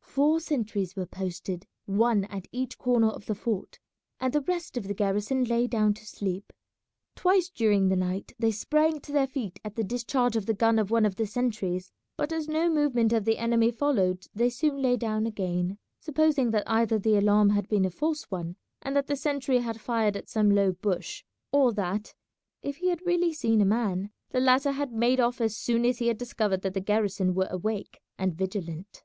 Four sentries were posted, one at each corner of the fort, and the rest of the garrison lay down to sleep. Twice during the night they sprang to their feet at the discharge of the gun of one of the sentries, but as no movement of the enemy followed they soon lay down again, supposing that either the alarm had been a false one, and that the sentry had fired at some low bush, or that, if he had really seen a man, the latter had made off as soon as he had discovered that the garrison were awake and vigilant.